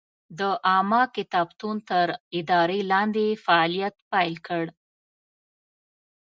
د عامه کتابتون تر ادارې لاندې یې فعالیت پیل کړ.